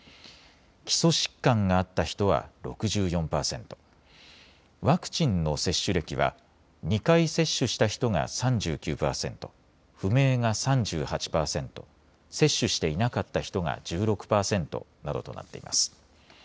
基礎疾患があった人は６４％、ワクチンの接種歴は２回接種した人が３９％、不明が３８％、接種していなかった人が１６％などとなっています。